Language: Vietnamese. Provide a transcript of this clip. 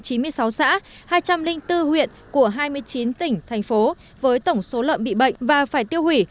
hai trăm linh bốn huyện của hai mươi chín tỉnh thành phố với tổng số lợn bị bệnh và phải tiêu hủy